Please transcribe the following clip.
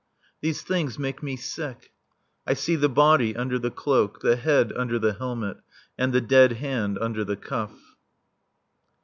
These things make me sick. I see the body under the cloak, the head under the helmet, and the dead hand under the cuff.